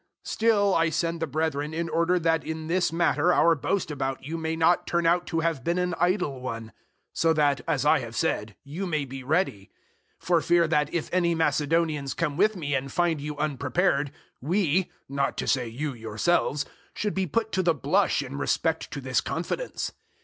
009:003 Still I send the brethren in order that in this matter our boast about you may not turn out to have been an idle one; so that, as I have said, you may be ready; 009:004 for fear that, if any Macedonians come with me and find you unprepared, we not to say you yourselves should be put to the blush in respect to this confidence.